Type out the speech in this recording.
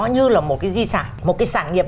như là một cái di sản một cái sản nghiệp